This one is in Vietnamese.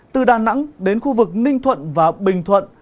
từ đà nẵng đến khu vực ninh thuận và bình thuận